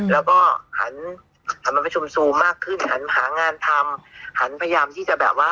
แล้วก็หันหันมาประชุมซูมมากขึ้นหันหางานทำหันพยายามที่จะแบบว่า